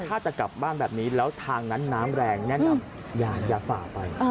ถ้าจะกลับบ้านแบบนี้แล้วทางนั้นน้ำแรงแนะนำอย่าฝ่าไป